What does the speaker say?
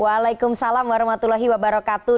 waalaikumsalam warahmatullahi wabarakatuh